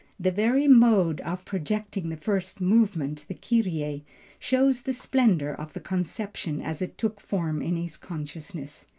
The very mode of projecting the first movement, the Kyrie, shows the splendor of the conception as it took form in his consciousness.